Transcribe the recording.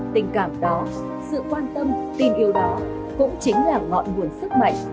tình cảm đó sự quan tâm tin yêu đó cũng chính là ngọn nguồn sức mạnh